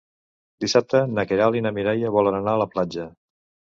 Dissabte na Queralt i na Mireia volen anar a la platja.